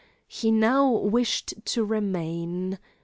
He now wished to remain.